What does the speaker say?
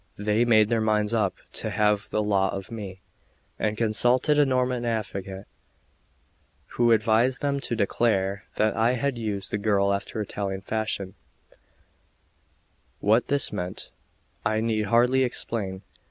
They made their minds up to have the law of me, and consulted a Norman advocate, who advised them to declare that I had used the girl after the Italian fashion; what this meant I need hardly explain.